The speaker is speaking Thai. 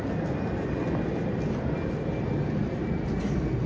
ผมไม่กล้าด้วยผมไม่กล้าด้วยผมไม่กล้าด้วย